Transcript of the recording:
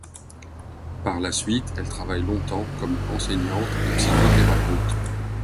Par la suite, elle travaille longtemps comme enseignante et psychothérapeute.